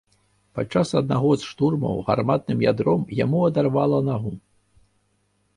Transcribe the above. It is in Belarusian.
Падчас аднаго з штурмаў гарматным ядром яму адарвала нагу.